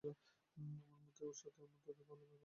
আমার মতে ওর সাথে তোদের ভালো ব্যবহার করা উচিত।